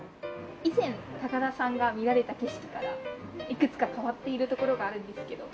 以前高田さんが見られた景色からいくつか変わっているところがあるんですけど。